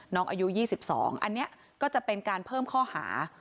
น้องอายุ๒๒อันนี้ก็จะเป็นการเพิ่มข้อหา